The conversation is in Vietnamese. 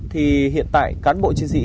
thì hiện tại cán bộ chiến sĩ